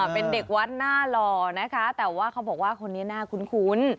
เป็นเด็กวัดหน้าหล่อนะคะแต่ว่าเขาบอกว่าคนนี้น่าคุ้น